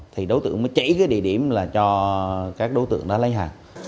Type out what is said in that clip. thì đối tượng mới chạy cái địa điểm là cho các đối tượng đã lấy hàng